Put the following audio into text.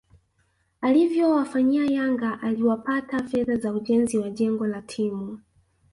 alivyowafanyia yangaaliwapata fedha za ujenzi wa jengo la timu